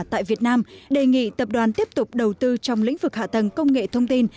tại việt nam đề nghị tập đoàn tiếp tục đầu tư trong lĩnh vực hạ tầng công nghệ thông tin